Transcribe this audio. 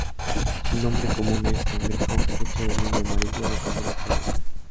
Su nombre común es cangrejo flecha de línea amarilla o cangrejo araña.